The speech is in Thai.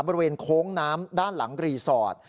บริเวณโค้งน้ำด้านหลังรีสอร์ท